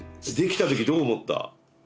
出来た時どう思った？